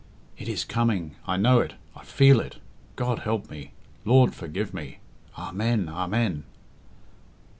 "It is coming! I know it! I feel it! God help me! Lord forgive me! Amen! Amen!"